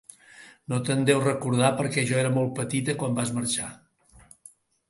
No te'n deus recordar perquè jo era molt petita quan vas marxar.